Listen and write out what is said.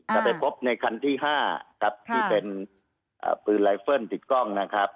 จะไปพบในคันที่๕ครับที่เป็นปืนไลเฟิลติดกล้องนะครับ